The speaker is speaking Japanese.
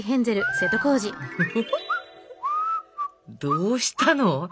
どうしたの？